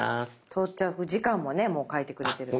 到着時間もね書いてくれてる。